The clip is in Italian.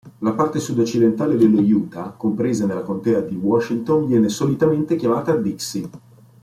La parte sudoccidentale dello Utah compresa nella contea di Washington viene solitamente chiamata Dixie.